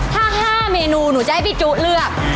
ถ้า๕เมนูหนูจะให้พี่จุเลือก